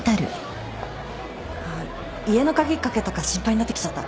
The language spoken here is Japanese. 家の鍵かけたか心配になってきちゃった。